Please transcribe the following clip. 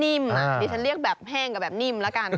ดิฉันเรียกแบบแห้งกับแบบนิ่มแล้วกัน